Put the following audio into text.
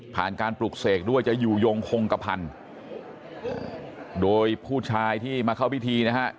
การปลุกเสกด้วยจะอยู่ยงคงกระพันธุ์โดยผู้ชายที่มาเข้าพิธีนะฮะ